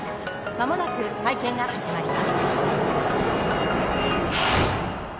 間もなく会見が始まります。